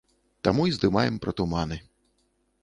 Таму і здымаем пра туманы.